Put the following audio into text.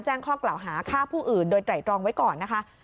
แจ้งข้อกล่าวหาฆ่าผู้อื่นโดยไตรตรองไว้ก่อนนะคะ